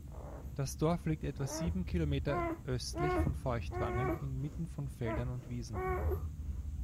Das Dorf liegt etwa sieben Kilometer östlich von Feuchtwangen inmitten von Feldern und Wiesen.